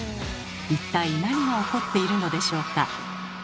一体何が起こっているのでしょうか？